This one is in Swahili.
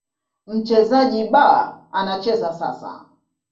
Mchezaji B anacheza sasa.